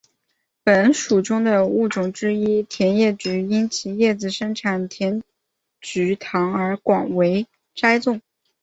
本属中的物种之一甜叶菊因其叶子生产甜菊糖而广为栽种。